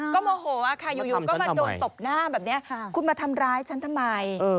ก็โมโหค่ะอยู่ก็มาโดนตบหน้าแบบนี้คุณมาทำร้ายฉันทำไม